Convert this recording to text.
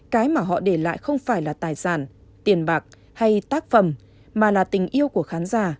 cái mà họ để lại không phải là tài sản tiền bạc hay tác phẩm mà là tình yêu của khán giả